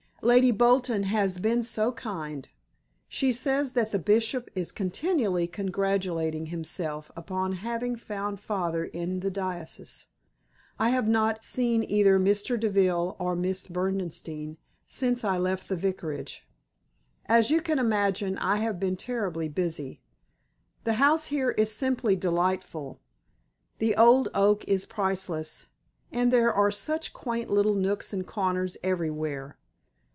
Lady Bolton has been so kind. She says that the Bishop is continually congratulating himself upon having found father in the diocese. I have not seen either Mr. Deville or Miss Berdenstein since I left the Vicarage. As you can imagine I have been terribly busy. The house here is simply delightful. The old oak is priceless, and there are such quaint little nooks and corners everywhere.